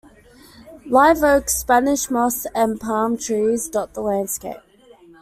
Live oaks, Spanish moss and palm trees dot the landscape.